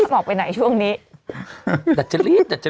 บอกไปไหนช่วงนี้ดัดจริต